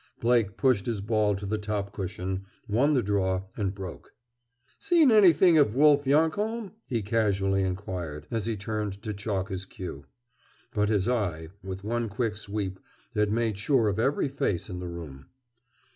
Blake pushed his ball to the top cushion, won the draw, and broke. "Seen anything of Wolf Yonkholm?" he casually inquired, as he turned to chalk his cue. But his eye, with one quick sweep, had made sure of every face in the room.